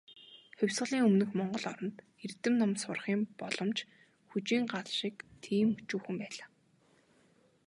Хувьсгалын өмнөх монгол оронд, эрдэм ном сурахын боломж "хүжийн гал" шиг тийм өчүүхэн байлаа.